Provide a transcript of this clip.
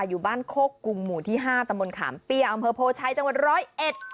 อยู่บ้านโคกกุงหมู่ที่๕ตะมนต์ขามเปียงอำเภอโภชัยจังหวัด๑๐๑